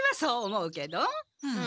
うん。